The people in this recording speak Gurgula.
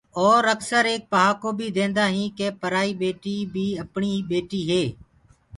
اور اڪسر ايڪ پهاڪو بيٚ ديندآ هينٚ ڪي پرائي ٻيٽي بي اپڻي هي ٻيٽي هي۔